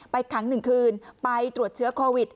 ขัง๑คืนไปตรวจเชื้อโควิด